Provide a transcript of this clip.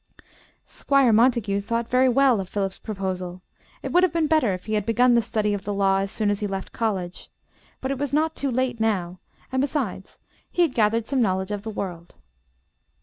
Squire Montague thought very well of Philip's proposal. It would have been better if he had begun the study of the law as soon as he left college, but it was not too late now, and besides he had gathered some knowledge of the world.